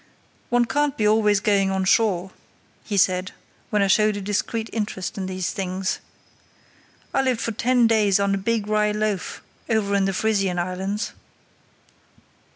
"One can't be always going on shore," he said, when I showed a discreet interest in these things. "I lived for ten days on a big rye loaf over in the Frisian Islands."